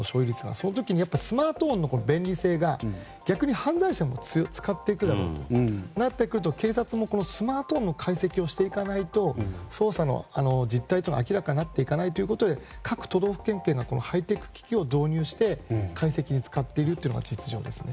その時にスマートフォンの便利性が逆に、犯罪者も使ってくるということになってくると警察も、スマートフォンの解析をしていかないと捜査の実態が明らかになっていかないということで各都道府県警がハイテク機器を導入して解析に使っているというのが実情ですね。